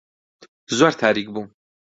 زۆر تاریک بوو.